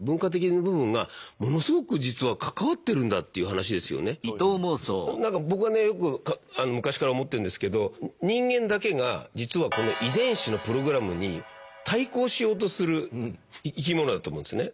これはだから実はなんか僕はねよく昔から思ってんですけど人間だけが実はこの遺伝子のプログラムに対抗しようとする生き物だと思うんですね。